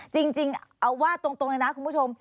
จริงเอาว่าตรงเลยนะคุณผู้ชม